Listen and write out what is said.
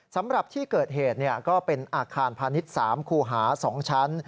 สำหรับที่เกิดเหตุก็เป็นอาคารพาณิชย์๓คูหา๒ชั้น